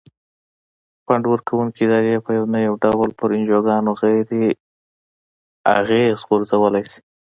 فنډ ورکوونکې ادارې په یو نه یو ډول پر انجوګانو اغیز غورځولای شي.